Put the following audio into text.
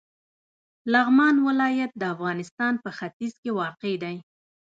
لغمان ولایت د افغانستان په ختیځ کې واقع دی.